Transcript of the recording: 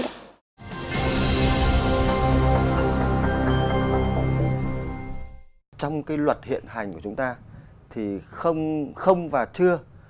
trong cái luật hiện hành của chúng ta thì không và chưa